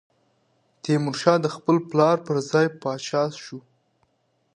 تیمورشاه د خپل پلار پر ځای پاچا شو.